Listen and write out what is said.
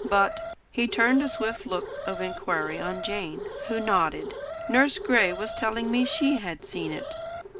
But" he turned a swift look of inquiry on Jane, who nodded "Nurse Gray was telling me she had seen it."